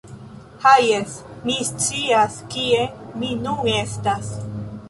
Ha, jes! Mi scias kie mi nun estas.